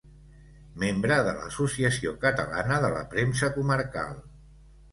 Membre de l’Associació Catalana de la Premsa Comarcal.